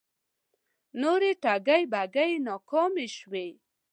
نورې ټگۍ برگۍ یې ناکامې شوې